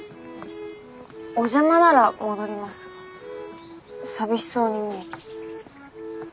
お邪魔なら戻りますが寂しそうに見えて。